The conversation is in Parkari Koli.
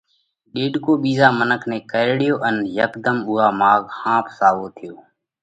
ڏيڏڪو ٻِيزا منک نئہ ڪرڙيو ان هيڪڌم اُوئا ماڳ ۿاپ ساوو ٿيو۔